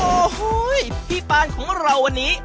โอ้โหพี่ปานของเราวันนี้